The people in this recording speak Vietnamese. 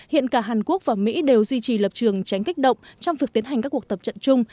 hiện cả hàn quốc và mỹ đều duy trì lập trường tránh kích động trong việc tiến hành các cuộc tập trận chung